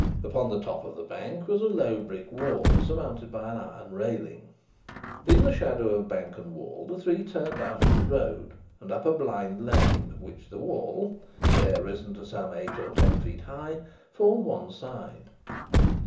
Upon the top of the bank was a low brick wall, surmounted by an iron railing. In the shadow of bank and wall the three turned out of the road, and up a blind lane, of which the wall there, risen to some eight or ten feet high formed one side.